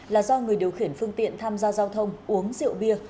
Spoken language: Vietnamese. là do người điều khiển phương tiện tham gia giao thông uống rượu bia